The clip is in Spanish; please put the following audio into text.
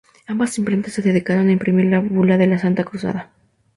Ambas imprentas se dedicaron a imprimir la Bula de la santa Cruzada.